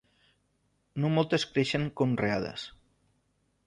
No moltes creixen conreades.